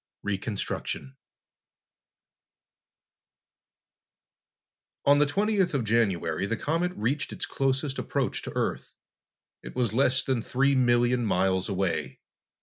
Reconstruction On the twentieth of January the comet reached its closest approach to Earth. It was then less than three million miles away.